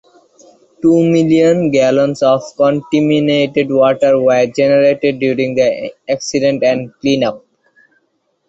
Two million gallons of contaminated water were generated during the accident and cleanup.